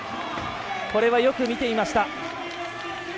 これはよく見ていました。